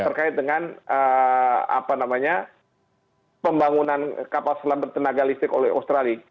terkait dengan pembangunan kapal selam bertenaga listrik oleh australia